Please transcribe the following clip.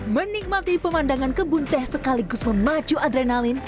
menikmati pemandangan kebun teh sekaligus memacu adrenalin